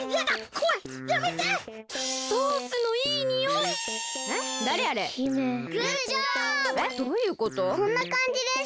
こんなかんじです。